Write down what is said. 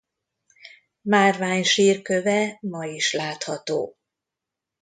Márvány sírköve ma is látható.